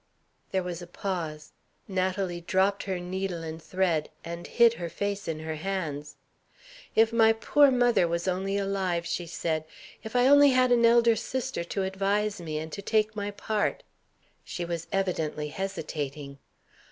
There was a pause. Natalie dropped her needle and thread, and hid her face in her hands. "If my poor mother was only alive," she said; "if I only had an elder sister to advise me, and to take my part." She was evidently hesitating.